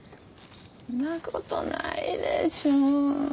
んなことないでしょう。